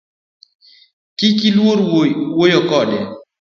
Kik iluor wuoyo kode